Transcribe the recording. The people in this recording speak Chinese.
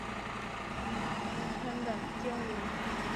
纽约参展交流